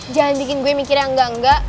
jangan bikin gue mikir yang enggak enggak